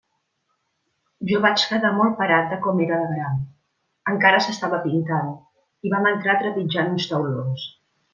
Jo vaig quedar molt parat de com era de gran; encara s'estava pintant, i vam entrar trepitjant uns taulons.